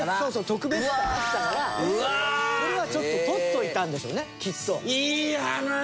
特別感あったからそれはちょっと取っといたんでしょうねきっと。